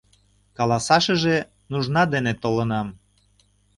Каласашыже... нужна дене толынам.